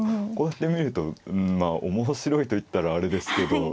こうやって見るとおもしろいと言ったらあれですけど。